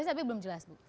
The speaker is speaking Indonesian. tapi belum jelas